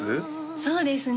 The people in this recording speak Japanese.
そうですね